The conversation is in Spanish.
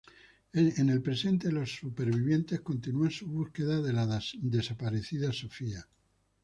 En el presente, los sobrevivientes continúan su búsqueda de la desaparecida Sophia.